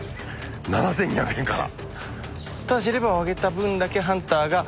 ７，２００円から。